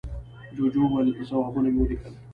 جوجو وویل، ځوابونه مې وليکل.